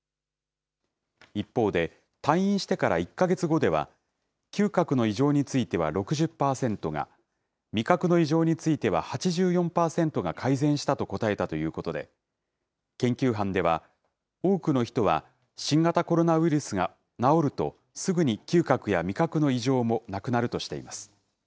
一方で、退院してから１か月後では、嗅覚の異常については６０％が、味覚の異常については８４％が改善したと答えたということで、研究班では、多くの人は、新型コロナウイルスが治るとすぐに嗅覚や味覚の異常もなくなるとしています。